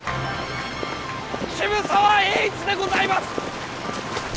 渋沢栄一でございます！